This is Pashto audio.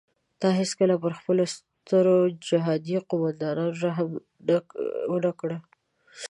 تا هیڅکله پر خپلو سترو جهادي قوماندانانو رحم ونه کړ.